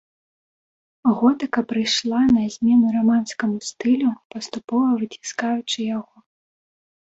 Готыка прыйшла на змену раманскаму стылю, паступова выціскаючы яго.